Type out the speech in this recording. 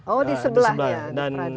oh di sebelahnya